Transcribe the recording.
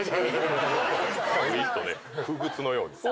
ぐいっとねくぐつのように。